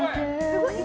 すごい。